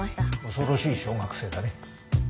恐ろしい小学生だね。